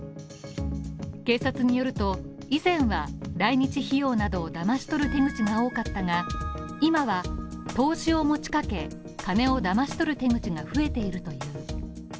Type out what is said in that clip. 警察によると、以前は来日費用などをだまし取る手口が多かったが今は投資を持ちかけ、金をだまし取る手口が増えているという。